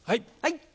はい！